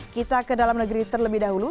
kita ke dalam negeri terlebih dahulu